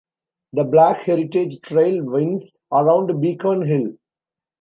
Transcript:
The Black Heritage Trail winds around Beacon Hill.